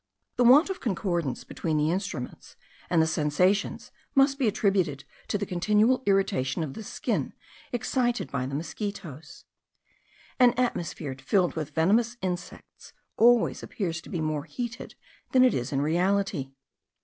The want of concordance between the instruments and the sensations must be attributed to the continual irritation of the skin excited by the mosquitos. An atmosphere filled with venomous insects always appears to be more heated than it is in reality.